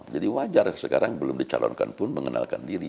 jadi wajar sekarang belum dicalonkan pun mengenalkan diri